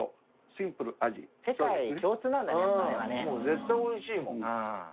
絶対おいしいもん。